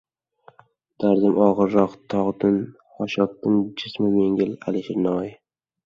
Dardim og‘irroq tog‘din, xoshokdin jismim yengil. Alisher Navoiy